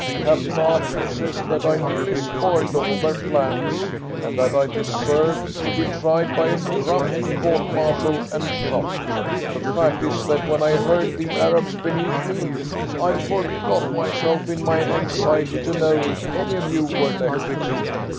Captain Archer says that I nearly spoiled all their plans, and that I deserved to be tried by a drumhead court martial and shot. The fact is that, when I heard the Arabs beneath me, I forgot myself in my anxiety to know if any of you were left."